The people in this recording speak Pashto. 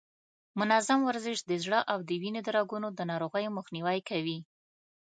منظم ورزش د زړه او د وینې د رګونو د ناروغیو مخنیوی کوي.